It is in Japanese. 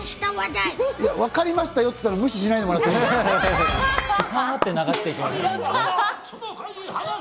いや「分かりましたよ」って言ったら無視しないでもらえます？